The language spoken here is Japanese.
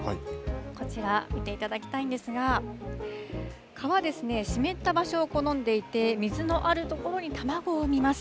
こちら見ていただきたいんですが、蚊はですね、湿った場所を好んでいて、水のある所に卵を産みます。